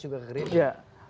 juga ke gerindra